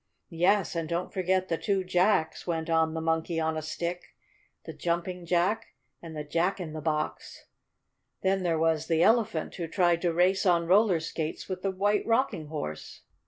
"Yes, and don't forget the two Jacks," went on the Monkey on a Stick, "the Jumping Jack and the Jack in the Box. Then there was the Elephant who tried to race on roller skates with the White Rocking Horse."